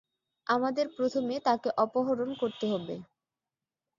আমাদের প্রথমে তাকে অপহরণ করতে হবে।